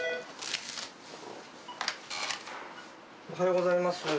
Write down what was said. おはようございます。